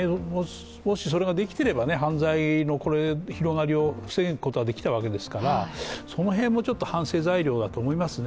もしそれができてれば犯罪の広がりを防ぐことができたわけですからその辺も反省材料だと思いますね。